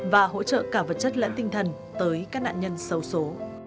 và hỗ trợ cả vật chất lẫn tinh thần tới các nạn nhân xấu xố